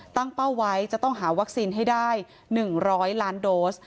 เป้าไว้จะต้องหาวัคซีนให้ได้๑๐๐ล้านโดส